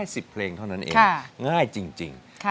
๑๐เพลงเท่านั้นเองง่ายจริง